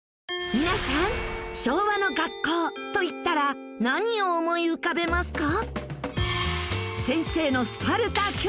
皆さん「昭和の学校」といったら何を思い浮かべますか？